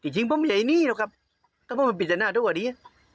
จริงผมไม่ใช่นี้หรอกครับต้องเป็นปริศนาทุกว่าดี